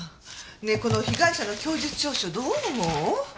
ねえこの被害者の供述調書どう思う？